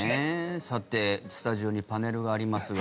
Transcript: さて、スタジオにパネルがありますが。